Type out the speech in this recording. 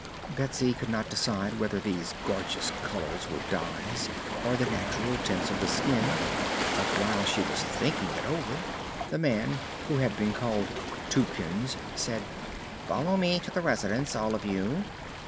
Betsy could not decide whether these gorgeous colors were dyes or the natural tints of the skin, but while she was thinking it over the man who had been called "Tubekins" said: "Follow me to the Residence all of you!"